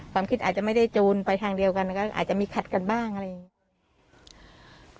ความคิดอาจจะไม่ได้จูนไปทางเดียวกันก็อาจจะมีขัดกันบ้างอะไรอย่างนี้